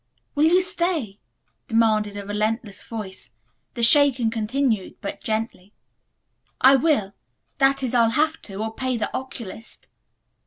"Will you stay?" demanded a relentless voice. The shaking continued, but gently. "I will. That is, I'll have to, or pay the oculist."